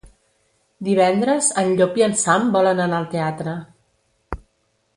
Divendres en Llop i en Sam volen anar al teatre.